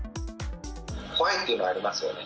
怖いというのはありますよね。